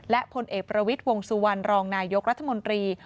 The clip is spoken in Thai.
และผลเอกประวิทย์วงสุวรรณรองนายกรัฐมนตรี